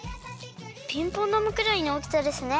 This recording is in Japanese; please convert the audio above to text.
ピンポンだまくらいのおおきさですね。